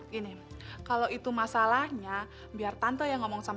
gini kalau itu masalahnya biar tante yang ngomong sama